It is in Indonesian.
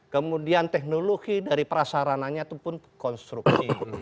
kemudian teknologi dari prasarananya itu pun konstruksi